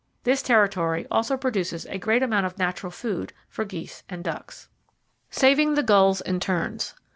This territory also produces a great amount of natural food for geese and ducks. [Page 320] Saving The Gulls And Terns.